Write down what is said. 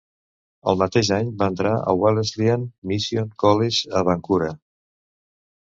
El mateix any va entrar al Welleslyan Mission College a Bankura.